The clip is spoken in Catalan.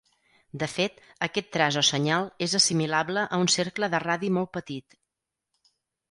De fet, aquest traç o senyal és assimilable a un cercle de radi molt petit.